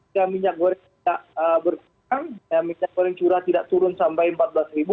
harga minyak goreng tidak berkurang minyak goreng curah tidak turun sampai rp empat belas ribu